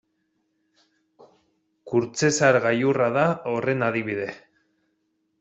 Kurtzezar gailurra da horren adibide.